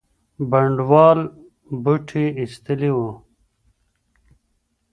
بڼوال بوټي ایستلي وو.